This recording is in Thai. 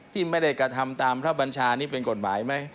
ที่ไม่ได้กระทำตามพระบัญชานี่เป็นกฎหมายไหม